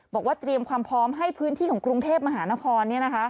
บอกว่าเตรียมความพร้อมให้พื้นที่ของกรุงเทพมหานคร